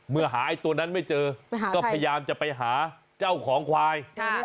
เมื่อหาไอ้ตัวนั้นไม่เจอก็พยายามจะไปหาเจ้าของควาย